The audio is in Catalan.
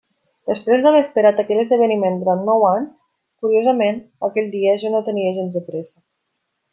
Després d'haver esperat aquell esdeveniment durant nou anys, curiosament aquell dia jo no tenia gens de pressa.